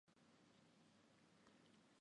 滇葎草为桑科葎草属下的一个种。